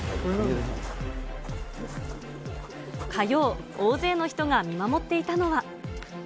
火曜、大勢の人が見守っていたのは。